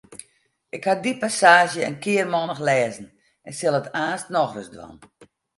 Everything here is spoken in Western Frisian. Ik haw dy passaazje in kearmannich lêzen en sil it aanstens noch ris dwaan.